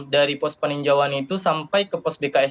dari pos peninjauan itu sampai ke pos bks